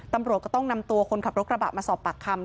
ตำรวจก็ต้องนำตัวคนขับรถกระบะมาสอบปากคำ